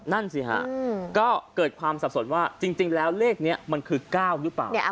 นั่นสิฮะก็เกิดความสับสนว่าจริงแล้วเลขนี้มันคือ๙หรือเปล่า